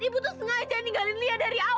ibu tuh sengaja ninggalin lia dari awal